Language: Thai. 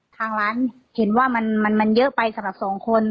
ทางร้านเห็นว่ามันเยอะไปสำหรับสองคน